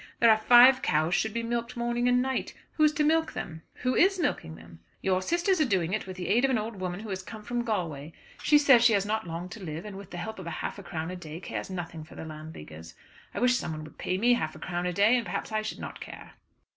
There are five cows should be milked morning and night. Who is to milk them?" "Who is milking them?" "Your sisters are doing it, with the aid of an old woman who has come from Galway. She says she has not long to live, and with the help of half a crown a day cares nothing for the Landleaguers. I wish someone would pay me half a crown a day, and perhaps I should not care."